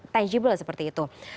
tangible seperti itu